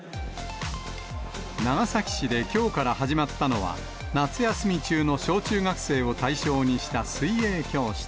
長崎市できょうから始まったのは、夏休み中の小中学生を対象にした水泳教室。